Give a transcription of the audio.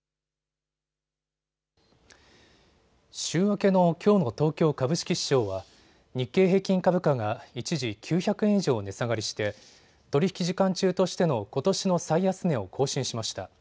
週明けのきょうの東京株式市場は日経平均株価が一時、９００円以上値下がりして取り引き時間中としてのことしの最安値を更新しました。